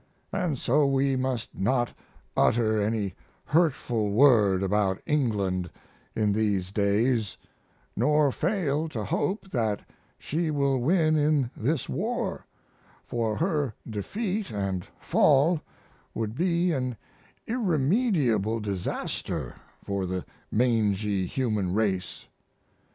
And so we must not utter any hurtful word about England in these days, nor fail to hope that she will win in this war, for her defeat & fall would be an irremediable disaster for the mangy human race.